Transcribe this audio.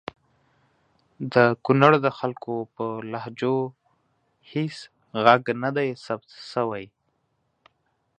د کنړ د خلګو په لهجو هیڅ ږغ ندی ثبت سوی!